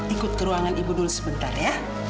ikut ke ruangan ibu dulu sebentar ya